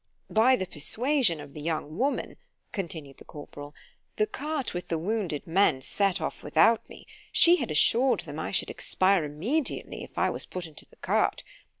By the persuasion of the young woman, continued the corporal, the cart with the wounded men set off without me: she had assured them I should expire immediately if I was put into the cart.